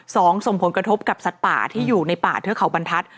ส่งผลกระทบกับสัตว์ป่าที่อยู่ในป่าเทือกเขาบรรทัศน